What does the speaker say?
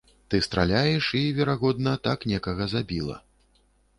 Ты страляеш і, верагодна, так некага забіла.